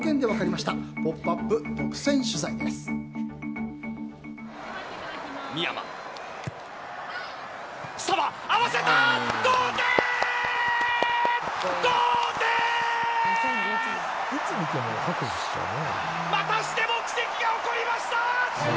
またしても奇跡が起こりました！